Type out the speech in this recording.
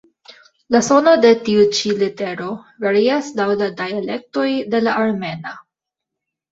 La sono de tiu ĉi litero varias laŭ la dialektoj de la armena.